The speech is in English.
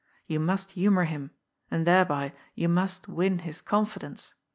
You must humour him, and thereby you must win his confidence.